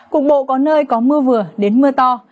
cục bộ có nơi có mưa vừa đến mưa to